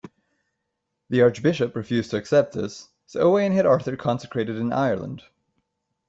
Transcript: The archbishop refused to accept this, so Owain had Arthur consecrated in Ireland.